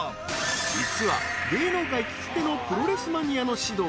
［実は芸能界きってのプロレスマニアの獅童］